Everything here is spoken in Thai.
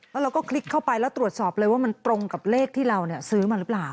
แล้วเราก็คลิกเข้าไปแล้วตรวจสอบเลยว่ามันตรงกับเลขที่เราซื้อมาหรือเปล่า